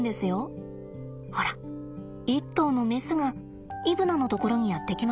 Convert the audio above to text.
ほら一頭のメスがイブナのところにやって来ました。